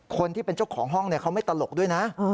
คนที่เป็นเจ้าของห้องเขาไม่ตลกด้วยนะ